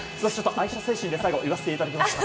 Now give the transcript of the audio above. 愛社精神で最後、言わせていただきました。